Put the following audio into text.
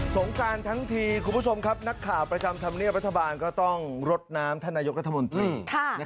งการทั้งทีคุณผู้ชมครับนักข่าวประจำธรรมเนียบรัฐบาลก็ต้องรดน้ำท่านนายกรัฐมนตรี